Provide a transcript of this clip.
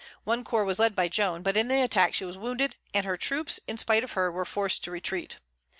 One corps was led by Joan; but in the attack she was wounded, and her troops, in spite of her, were forced to retreat.